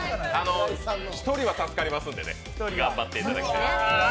１人は助かりますので頑張っていただいて。